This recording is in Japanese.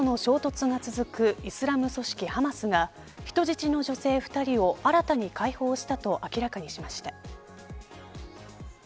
イスラエルとの衝突が続くイスラム組織ハマスが人質の女性２人を新たに解放したと明らかにしました。